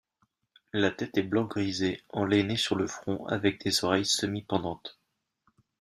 La tête est blanc grisé, enlainée sur le front, avec des oreilles semi pendantes.